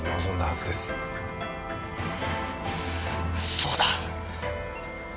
そうだ。